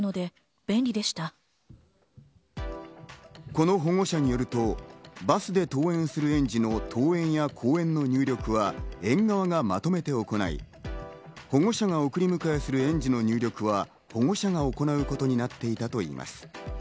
この保護者によると、バスで登園する園児の登園や降園の入力は園側がまとめて行い、保護者が送り迎えする園児の入力は保護者が行うことになっていたといいます。